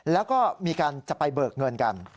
แล้วก็มีการจะไปเบิกเงินกัน